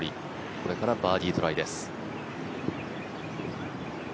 これからバーディートライです。